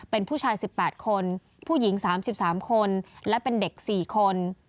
เป็นผู้ชายสิบแปดคนผู้หญิงสามสิบสามคนและเป็นเด็กสี่คน